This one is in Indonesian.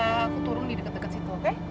aku turun di deket deket situ oke